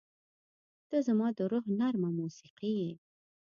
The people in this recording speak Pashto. • ته زما د روح نرمه موسیقي یې.